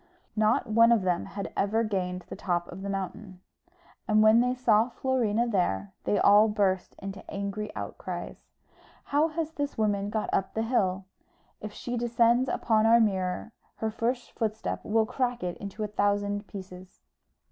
Not one of them had ever gained the top of the mountain; and when they saw Florina there, they all burst into angry outcries, "How has this woman got up the hill? If she descends upon our mirror her first footstep will crack it into a thousand pieces."